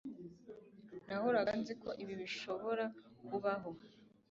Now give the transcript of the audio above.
Nahoraga nzi ko ibi bishobora kubaho